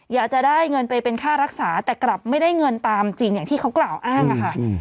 อยากจะได้เงินไปเป็นค่ารักษาแต่กลับไม่ได้เงินตามจริงอย่างที่เขากล่าวอ้างอะค่ะ